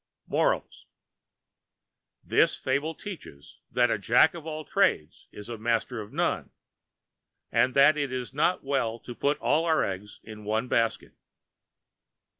MORALS: This Fable teaches that a Jack of all Trades is Master of None, and that It Is Not Well to put All our Eggs in One Basket.